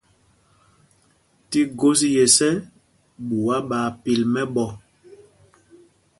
Tí gos yes ɛ, ɓuá ɓaa pil mɛ́ɓɔ́.